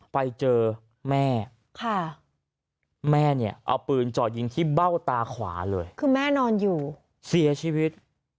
ไปเจอแม่แม่เนี่ยเอาปืนจ่อยิงที่เบ้าตาขวาเลยคือแม่นอนอยู่เสียชีวิต